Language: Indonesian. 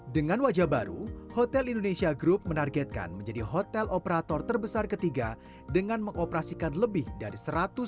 dengan wajah baru hotel indonesia group menargetkan menjadi hotel operator terbesar ketiga dengan mengoperasikan lebihan dan kekuatan